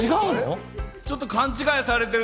ちょっと勘違いされてる。